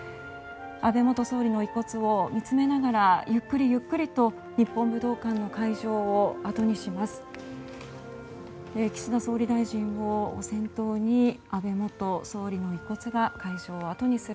安倍元総理の遺骨を見つめながらゆっくりゆっくりと日本武道館の会場をあとにします。